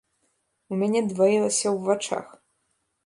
У мяне дваілася ў вачах.